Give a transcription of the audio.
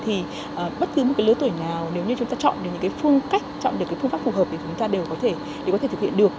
thì bất cứ một cái lứa tuổi nào nếu như chúng ta chọn được những cái phương cách chọn được cái phương pháp phù hợp thì chúng ta đều có thể để có thể thực hiện được